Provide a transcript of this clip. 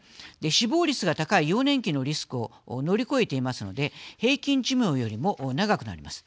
死亡率が高い幼年期のリスクを乗り越えていますので平均寿命よりも長くなります。